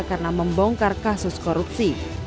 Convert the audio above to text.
karena membongkar kasus korupsi